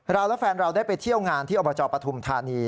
เราและแฟนเราได้ไปเที่ยวงานที่อบจปฐุมธานี